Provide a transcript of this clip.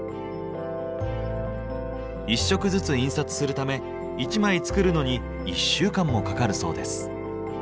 １色ずつ印刷するため１枚作るのに１週間もかかるそうです。